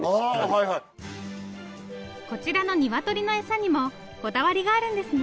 こちらの鶏の餌にもこだわりがあるんですね。